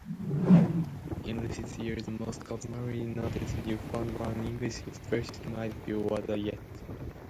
In recent years, the most commonly noted Newfoundland English expression might be Whadd'ya at?